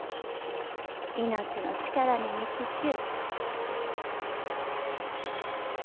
命の力に満ちちゅう。